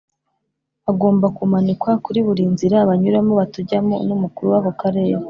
agomba kumanikwa kuri burinzira banyuramo batujyamo n’umukuru wako karere